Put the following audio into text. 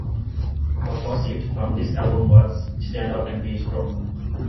The first hit from this album was "Stand Up And Be Strong".